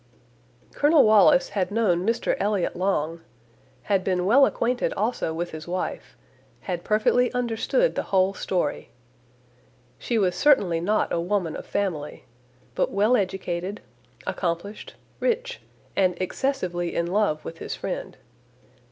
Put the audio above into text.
Colonel Wallis had known Mr Elliot long, had been well acquainted also with his wife, had perfectly understood the whole story. She was certainly not a woman of family, but well educated, accomplished, rich, and excessively in love with his friend.